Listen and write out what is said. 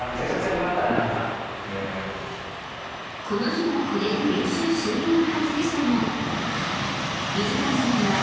［この日はこれで練習終了のはずでしたが水谷さんは］